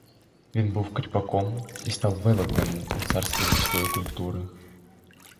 Він був кріпаком — і став велетнем у царстві людської культури.